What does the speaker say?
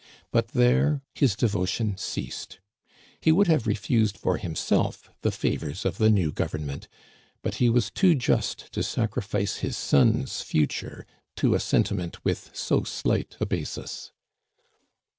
But there his devotion ceased. He would have refused for himself the favors of the new government ; but he was too just to sacrifice his son's future to a sentiment with so slight a basis.